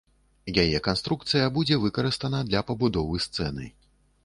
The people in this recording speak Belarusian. Яе канструкцыя будзе выкарыстана для пабудовы сцэны.